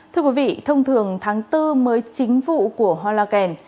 thưa quý vị thông thường tháng bốn mới chính vụ của hoa loa kèn